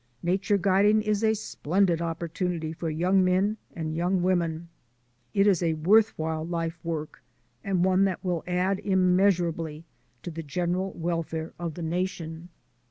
Nature guiding is a splendid opportunity for young men and young women. It is a worth while life work and one that will add immeasurably to the general welfare of the nation.